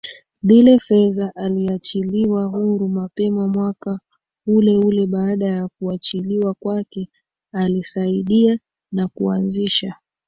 zile fedha aliachiliwa huru mapema mwaka uleuleBaada ya kuachiliwa kwake alisaidiwa na kuanzisha